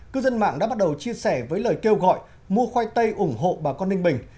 cư dân mạng đã bắt đầu chia sẻ với lời kêu gọi mua khoai tây ủng hộ bà con ninh bình